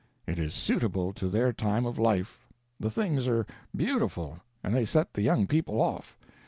It is suitable to their time of life. The things are beautiful, and they set the young people off.